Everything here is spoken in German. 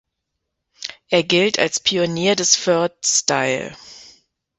Er gilt als Pionier des Vert-Style.